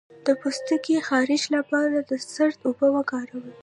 د پوستکي خارښ لپاره د سدر اوبه وکاروئ